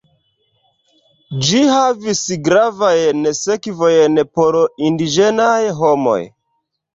Ĝi havis gravajn sekvojn por indiĝenaj homoj.